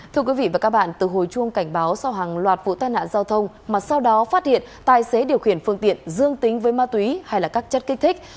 thưa quý vị và các bạn từ hồi chuông cảnh báo sau hàng loạt vụ tai nạn giao thông mà sau đó phát hiện tài xế điều khiển phương tiện dương tính với ma túy hay là các chất kích thích